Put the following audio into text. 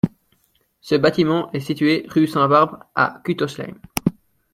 Ce bâtiment est situé rue Sainte-Barbe à Kuttolsheim.